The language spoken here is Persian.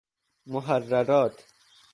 محررات